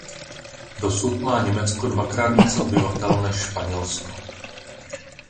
Dosud má Německo dvakrát více obyvatel než Španělsko.